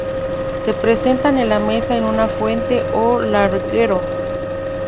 Se presentan en la mesa en una fuente o larguero.